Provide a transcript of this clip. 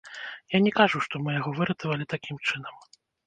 Я не кажу, што мы яго выратавалі такім чынам.